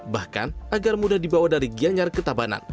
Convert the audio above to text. bahkan agar mudah dibawa dari gianyar ke tabanan